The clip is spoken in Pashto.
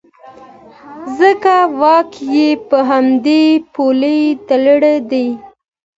ځکه واک یې په همدې پولو تړلی دی.